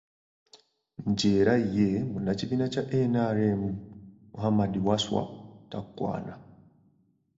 Nti era ye munnakibiina kya NRM, Muhammed Wasswa Takwana